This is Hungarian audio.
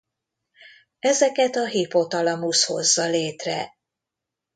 Ezeket a hipotalamusz hozza létre.